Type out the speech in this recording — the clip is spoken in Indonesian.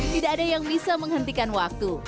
tidak ada yang bisa menghentikan waktu